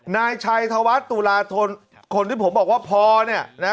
นายชัยธวัฒน์ตุลาธนคนที่ผมบอกว่าพอเนี่ยนะ